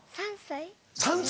３歳。